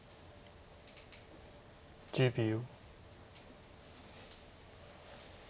１０秒。